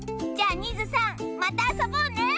じゃあニズさんまたあそぼうね！